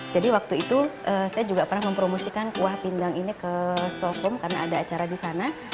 waktu itu saya juga pernah mempromosikan kuah pindang ini ke soft home karena ada acara di sana